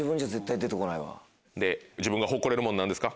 で自分が誇れるもの何ですか？